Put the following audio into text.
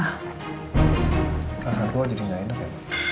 akar gue jadi gak enak ya